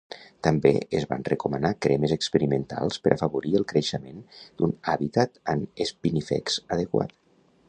També es van recomanar cremes experimentals per afavorir el creixement d'un hàbitat amb "spinifex" adequat.